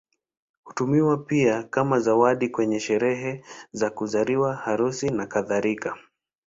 Hutumiwa pia kama zawadi kwenye sherehe za kuzaliwa, harusi, nakadhalika.